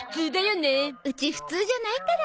うち普通じゃないから。